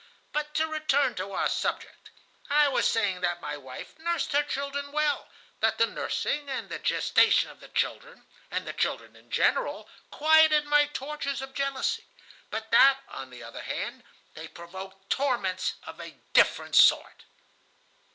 "But to return to our subject. I was saying that my wife nursed her children well, that the nursing and the gestation of the children, and the children in general, quieted my tortures of jealousy, but that, on the other hand, they provoked torments of a different sort."